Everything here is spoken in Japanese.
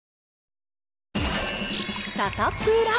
サタプラ。